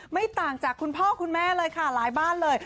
ไม่ต่างจากคุณพ่อคุณแม่เลยค่ะหลายบ้านเลย